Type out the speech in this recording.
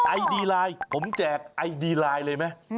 ไอดีไลน์ผมแจกไอดีไลน์เลยไหม